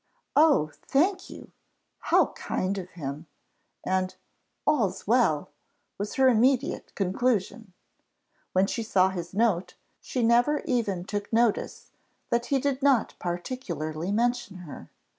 "Oh, thank you! How kind of him!" and "all's well," was her immediate conclusion. When she saw his note, she never even took notice that he did not particularly mention her.